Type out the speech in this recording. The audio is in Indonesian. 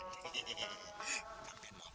mau apa anak anak